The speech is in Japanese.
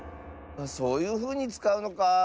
そういうふうにつかうのかあ。